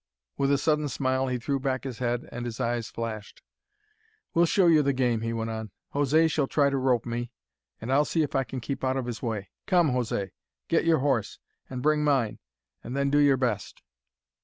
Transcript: With a sudden smile he threw back his head and his eyes flashed. "We'll show you the game," he went on; "José shall try to rope me, and I'll see if I can keep out of his way. Come, José, get your horse, and bring mine, and then do your best."